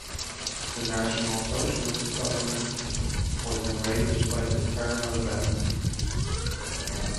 The National Socialist government was enraged by this turn of events.